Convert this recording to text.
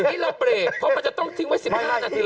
อันนี้เราเบรกเพราะมันจะต้องทิ้งไว้๑๕นาที